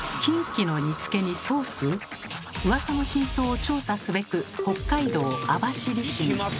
うわさの真相を調査すべく北海道網走市に。